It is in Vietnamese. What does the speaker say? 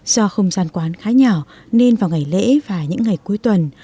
do không gian quán khá nhỏ nên vào ngày lễ và những ngày cuối tuần